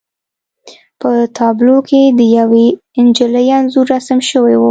په تابلو کې د یوې نجلۍ انځور رسم شوی و